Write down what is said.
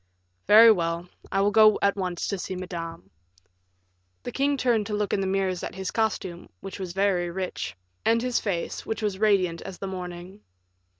"Very well; I will go at once to see Madame." The king turned to look in the mirrors at his costume, which was very rich, and his face, which was radiant as the morning.